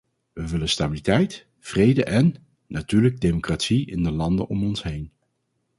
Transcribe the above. We willen stabiliteit, vrede en, natuurlijk, democratie in de landen om ons heen.